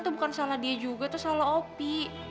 itu bukan salah dia juga tuh salah opi